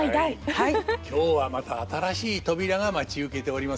今日はまた新しい扉が待ち受けておりますよ。